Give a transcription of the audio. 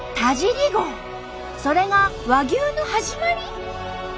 それが和牛の始まり？